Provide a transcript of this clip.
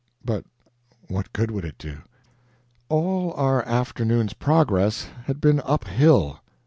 But what good would it do? All our afternoon's progress had been uphill.